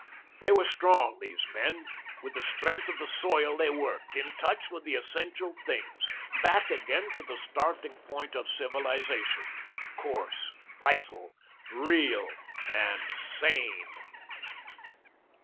They were strong, these men, with the strength of the soil they worked, in touch with the essential things, back again to the starting point of civilisation, coarse, vital, real, and sane.